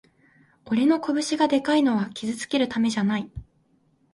俺の拳がでかいのは傷つけるためじゃない